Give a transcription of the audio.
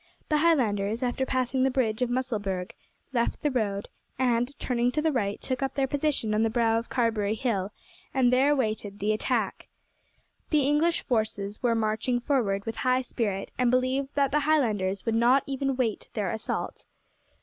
The Highlanders, after passing the bridge of Musselburgh, left the road, and turning to the right took up their position on the brow of Carberry Hill, and there waited the attack. The English forces were marching forward with high spirit, and believed that the Highlanders would not even wait their assault.